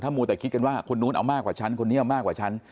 มัวแต่คิดกันว่าคนนู้นเอามากกว่าฉันคนนี้เอามากกว่าฉัน